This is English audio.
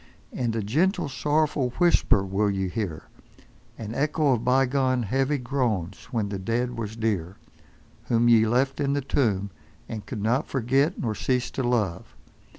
And a gentle, sorrowful, whisper will ye hear, an echo of bygone heavy groans when the dead was dear, whom ye left in the tomb, and could not forget nor cease to love.